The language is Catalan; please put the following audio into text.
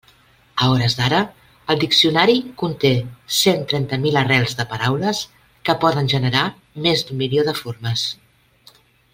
A hores d'ara el diccionari conté cent trenta mil arrels de paraules que poden generar més d'un milió de formes.